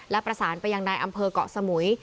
และประสานไปยังนายอำเภอกเกาะสมุย